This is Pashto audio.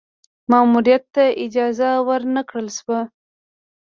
ماموریت ته اجازه ور نه کړل شوه.